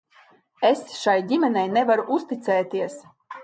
Es šai ģimenei nevaru uzticēties.